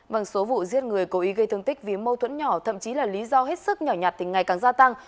vằng số vụ giết người cố ý gây thương tích vì mâu thuẫn nhỏ thậm chí là lý do hết sức nhỏ nhạt tỉnh ngày càng gia tăng